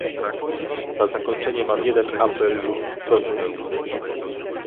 Na zakończenie mam jeden apel lub prośbę